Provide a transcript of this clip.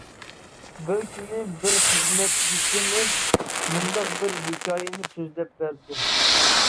بىر كۈنى بىر خىزمەتدىشىمىز مۇنداق بىر ھېكايىنى سۆزلەپ بەردى.